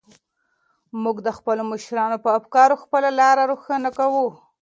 موږ د خپلو مشرانو په افکارو خپله لاره روښانه کوو.